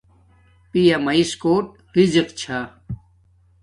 پیا میس کوٹ رزق چھا